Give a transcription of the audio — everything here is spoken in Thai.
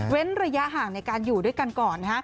ระยะห่างในการอยู่ด้วยกันก่อน